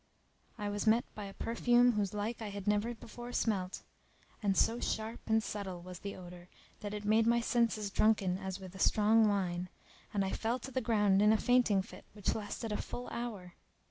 I was met by a perfume whose like I had never before smelt; and so sharp and subtle was the odour that it made my senses drunken as with strong wine, and I fell to the ground in a fainting fit which lasted a full hour.